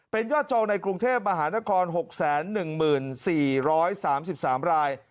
เป็นยอดจองในกรุงเทพมหานคร๖๑๔๓๓ราย